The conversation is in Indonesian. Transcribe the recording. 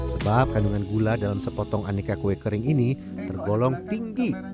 sebab kandungan gula dalam sepotong aneka kue kering ini tergolong tinggi